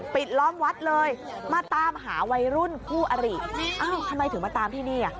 ล้อมวัดเลยมาตามหาวัยรุ่นคู่อริอ้าวทำไมถึงมาตามที่นี่อ่ะ